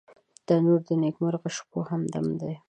تنور د نیکمرغه شپو همدم دی